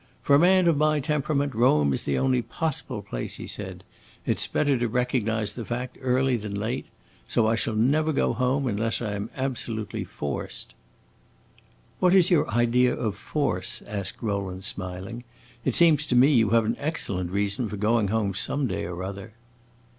"For a man of my temperament, Rome is the only possible place," he said; "it 's better to recognize the fact early than late. So I shall never go home unless I am absolutely forced." "What is your idea of 'force'?" asked Rowland, smiling. "It seems to me you have an excellent reason for going home some day or other."